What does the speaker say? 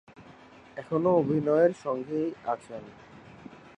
এখনো অভিনয়ের সঙ্গেই আছেন।